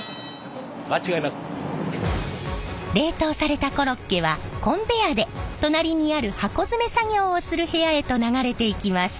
冷凍されたコロッケはコンベヤーで隣にある箱詰め作業をする部屋へと流れていきます。